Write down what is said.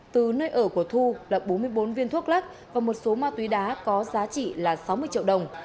từ nơi ở của thu là bốn mươi bốn viên thuốc lắc và một số ma túy đá có giá trị là sáu mươi triệu đồng